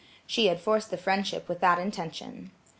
She had forced the friendship with that intention.